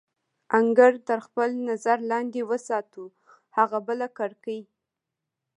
انګړ تر خپل نظر لاندې وساتو، هغه بله کړکۍ.